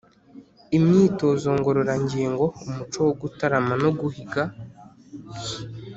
imyitozo ngororangingo, umuco wo gutarama no guhiga